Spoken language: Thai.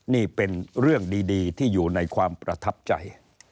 นี่เป็นเรื่องดีที่อยู่ในความประทับใจ